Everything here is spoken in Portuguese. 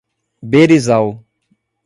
Berizal